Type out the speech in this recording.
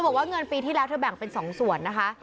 บอกว่าเงินปีที่แล้วเธอแบ่งเป็น๒ส่วนนะคะ